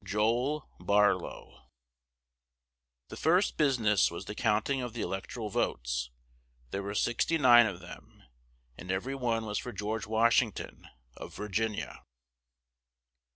JOEL BARLOW. The first business was the counting of the electoral votes. There were sixty nine of them, and every one was for George Washington, of Virginia.